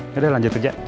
yaudah lanjut kerja